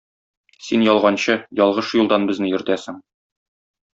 Син ялганчы, ялгыш юлдан безне йөртәсең.